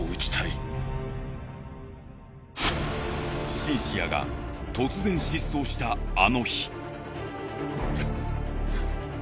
シンシアが突然失踪したあの日。